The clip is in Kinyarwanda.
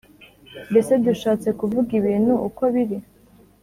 Mbese dushatse kuvuga ibintu uko biri